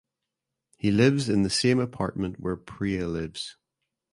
He lives in the same apartment where Priya lives.